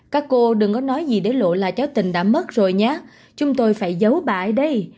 các cô đừng có nói gì để lộ là cháu tình đã mất rồi nhé chúng tôi phải giấu bà ở đây